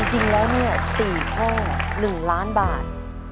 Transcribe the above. จริงแล้ว๔ข้อ๑ล้านบาท